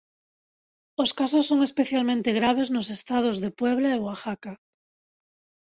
Os casos son especialmente graves nos estados de Puebla e Oaxaca.